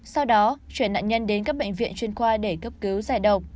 sau đó chuyển nạn nhân đến các bệnh viện chuyên khoa để cấp cứu giải độc